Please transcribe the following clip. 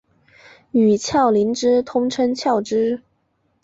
与鞘磷脂通称鞘脂。